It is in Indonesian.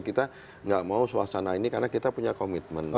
kita nggak mau suasana ini karena kita punya komitmen